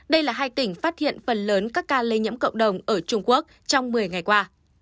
đây là hai tỉnh phát hiện phần lớn các ca lây nhiễm cộng đồng ở trung quốc trong một mươi ngày qua